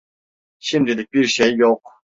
Şimdilik bir şey yok.